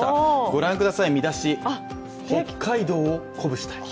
ご覧ください、見出し「北海道をコブしたい」。